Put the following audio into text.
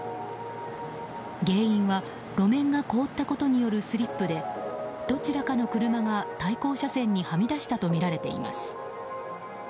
原因は路面が凍ったことによるスリップでどちらかの車が対向車線にはみ出したとみられています。